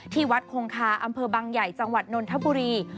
ที่วัดคงคาอำเภอบังใหญ่จังหวัดนนทบุรี